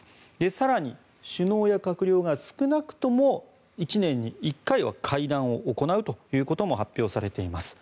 更に首脳や閣僚が少なくとも１年に１回は会談を行うということも発表されています。